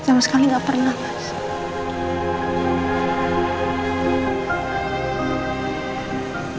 saya sama sekali gak pernah